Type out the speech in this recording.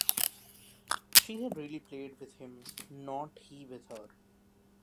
She had really played with him, not he with her.